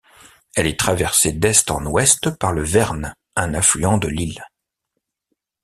Elle est traversée d'est en ouest par le Vern, un affluent de l'Isle.